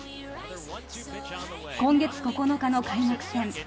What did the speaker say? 今月９日の開幕戦。